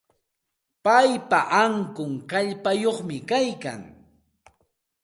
Paypa ankun kallpayuqmi kaykan.